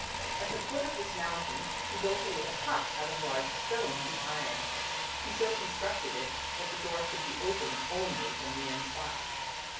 At the foot of this mountain he built a little hut out of large stones and iron. He so constructed it that the door could be opened only from the inside.